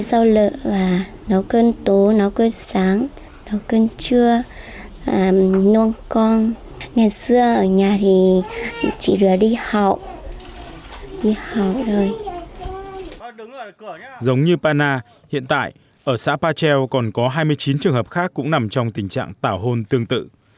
giống như pana hiện tại ở xã pa cheo còn có hai mươi chín trường hợp khác cũng nằm trong tình trạng tảo hôn tương tự